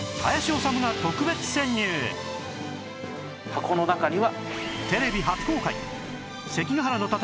箱の中には。